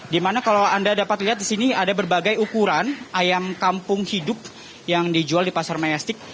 di mana kalau anda dapat lihat di sini ada berbagai ukuran ayam kampung hidup yang dijual di pasar mayastik